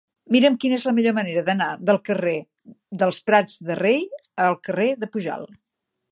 Mira'm quina és la millor manera d'anar del carrer dels Prats de Rei al carrer de Pujalt.